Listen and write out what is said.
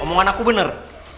omongan aku bener